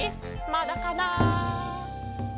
まだかな？